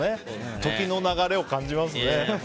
時の流れを感じますね。